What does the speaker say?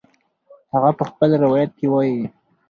هغه په خپل روایت کې وایي